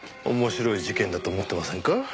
面白い事件だと思ってませんか？